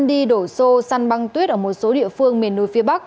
đi đổ xô săn băng tuyết ở một số địa phương miền núi phía bắc